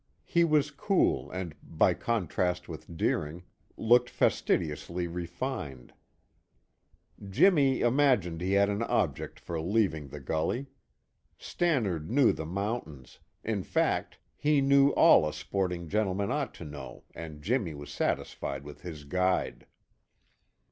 He was cool and, by contrast with Deering, looked fastidiously refined. Jimmy imagined he had an object for leaving the gully. Stannard knew the mountains; in fact, he knew all a sporting gentleman ought to know and Jimmy was satisfied with his guide.